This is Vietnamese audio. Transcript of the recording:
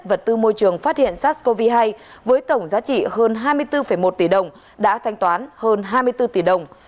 vật tư môi trường phát hiện sars cov hai với tổng giá trị hơn hai mươi bốn một tỷ đồng đã thanh toán hơn hai mươi bốn tỷ đồng